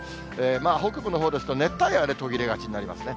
まあ、北部のほうですと、熱帯夜は途切れがちになりますね。